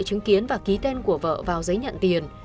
chứng kiến và ký tên của vợ vào giấy nhận tiền